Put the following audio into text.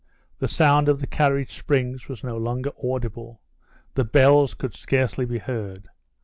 The sound of the carriage springs was no longer audible, the bells could scarcely be heard.